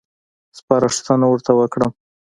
سپارښتنه ورته وکړم.